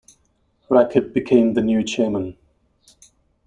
Rakib became the new chairman.